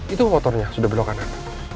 itu motornya sudah belok kanan